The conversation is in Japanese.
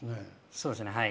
そうですねはい。